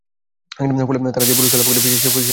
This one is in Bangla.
ফলে তারা সে পুরস্কার লাভ করত, যে পুরস্কার আমি লাভ করেছি।